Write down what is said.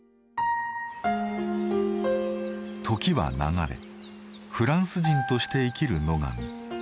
時は流れフランス人として生きる野上。